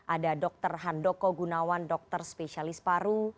ada dr handoko gunawan dokter spesialis paru